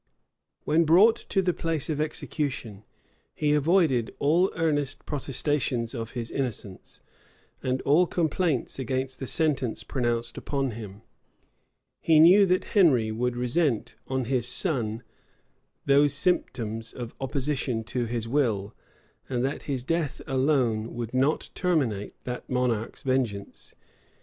When brought to the place of execution, he avoided all earnest protestations of his innocence, and all complaints against the sentence pronounced upon him. He knew that Henry would resent on his son those symptoms of opposition to his will, and that his death alone would not terminate that monarch's vengeance.